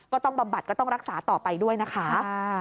บำบัดก็ต้องรักษาต่อไปด้วยนะคะ